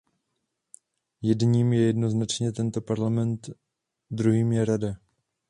Jedním je jednoznačně tento Parlament, druhým je Rada.